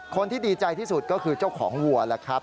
คนที่ดีใจที่สุดก็คือเจ้าของวัวแล้วครับ